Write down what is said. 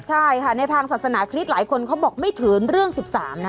ใช่ค่ะในทางศาสนาคริสต์หลายคนเขาบอกไม่ถือเรื่อง๑๓นะ